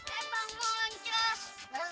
eh bang muncus